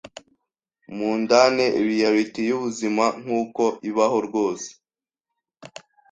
mundane realité yubuzima nkuko ibaho rwose.